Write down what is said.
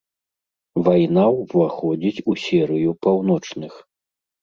Вайна ўваходзіць у серыю паўночных.